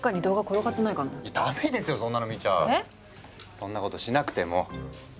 そんなことしなくてもほら。